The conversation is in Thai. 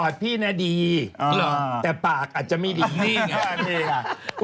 พี่น่ะดีแต่ปากอาจจะไม่ดีนี่ไง